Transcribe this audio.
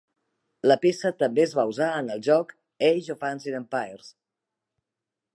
La peça també es va usar en el joc Age of Ancient Empires.